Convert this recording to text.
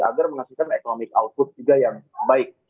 agar menghasilkan economic output juga yang baik